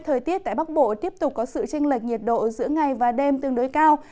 thời tiết tại bắc bộ tiếp tục có sự tranh lệch nhiệt độ giữa ngày và đêm tương đối cao